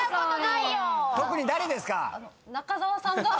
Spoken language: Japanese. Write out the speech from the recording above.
特に誰ですか？